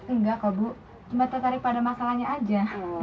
enggak kabu cuma tertarik pada masalahnya aja